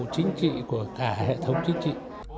chính trị của cả hệ thống chính trị